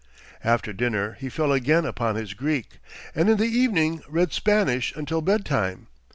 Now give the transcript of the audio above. After dinner he fell again upon his Greek, and in the evening read Spanish until bed time.